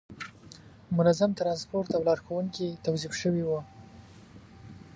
منظم ترانسپورت او لارښوونکي توظیف شوي وو.